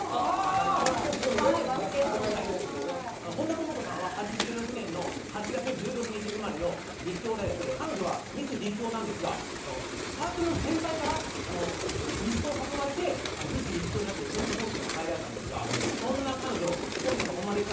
本田朋子さんは８６年の８月１６日生まれの立教大学で彼女はミス立教なんですがサークルの先輩からミスコンに誘われてミス立教になってセント・フォースに入られたんですがそんな彼女、今夜の「ホンマでっか！？